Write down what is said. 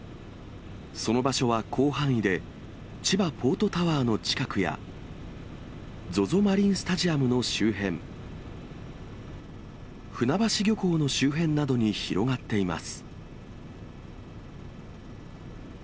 その場所は広範囲で、千葉ポートタワーの近くや、ＺＯＺＯマリンスタジアムの周辺、船橋漁港の周辺などに広がっています。